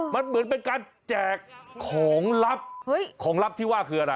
มันเหมือนเป็นการแจกของลับของลับที่ว่าคืออะไร